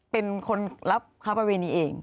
เป็นคนรับคาร์ปเวนีเอง